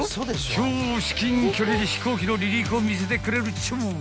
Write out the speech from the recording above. ［超至近距離で飛行機の離陸を見せてくれるっちゅう］